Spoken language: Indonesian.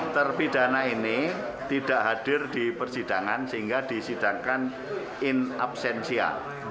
terpidana ini tidak hadir di persidangan sehingga disidangkan in absensial